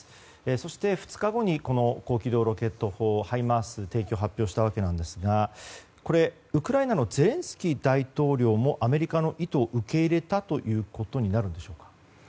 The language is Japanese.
そして、２日後に高機動ロケット砲ハイマースの提供を発表したわけですがこれ、ウクライナのゼレンスキー大統領もアメリカの意図を受け入れたということになるんでしょうか。